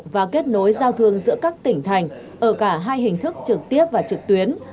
và kết nối giao thương giữa các tỉnh thành ở cả hai hình thức trực tiếp và trực tuyến